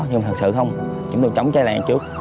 nhưng thật sự không chúng tôi chống cháy làng trước